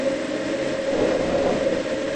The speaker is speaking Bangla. ওর এখন আর যাওয়ার মতো জায়গা নেই।